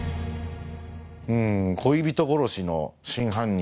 恋人殺しの真犯人。